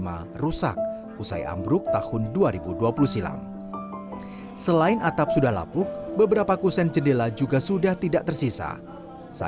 karena saya mengalami mengalami langsung dengan anak didik gitu ya